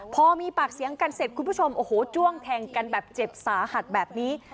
พอมีปากเสียงกันเสร็จคุณผู้ชมโอ้โหจ้วงแทงกันแบบเจ็บสาหัสแบบนี้